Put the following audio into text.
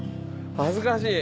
恥ずかしい。